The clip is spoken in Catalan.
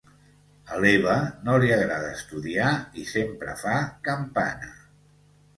A l'Eva no li agrada estudiar i sempre fa campana: